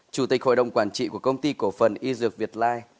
chủ tịch hội đồng quản trị của công ty cổ phần y dược việt lai